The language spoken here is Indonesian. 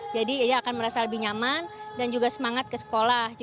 jadi dia akan merasa lebih nyaman dan juga semangat ke sekolah